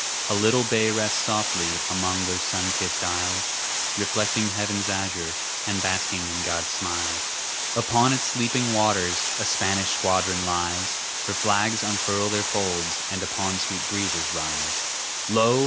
A little bay rests softly Among those sun kissed isles, Reflecting heaven's azure, And basking in God's smiles. Upon its sleeping waters A Spanish squadron lies; Her flags unfurl their folds, and Upon sweet breezes rise. Lo!